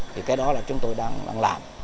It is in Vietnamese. thì cái đó là chúng tôi đang làm